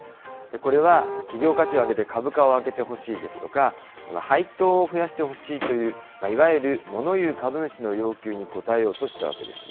これは企業価値を上げて、株価を上げてほしいですとか、配当を増やしてほしいという、いわゆる物言う株主の要求に応えようとしたわけです。